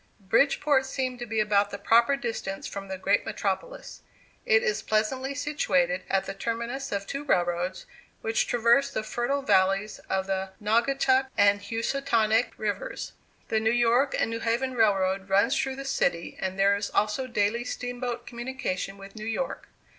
Bridgeport seemed to be about the proper distance from the great metropolis. It is pleasantly situated at the terminus of two railroads, which traverse the fertile valleys of the Naugatuck and Housatonic rivers. The New York and New Haven Railroad runs through the city, and there is also daily steamboat communication with New York.